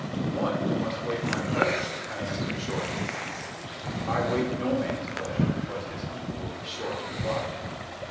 "One who must wait my pleasure," I answered shortly. "I wait no man's pleasure," was his equally short reply.